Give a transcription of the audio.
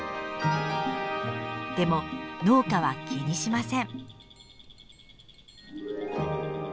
でも農家は気にしません。